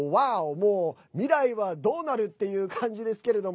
もう、未来はどうなる？っていう感じですけれども。